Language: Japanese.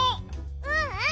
ううん。